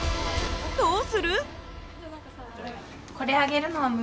どうする？